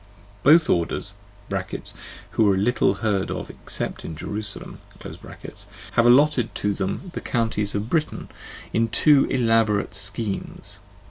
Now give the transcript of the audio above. Both orders (who are little heard of except in "Jerusalem") have allotted to them the counties of Britain in two elaborate schemes, (pp.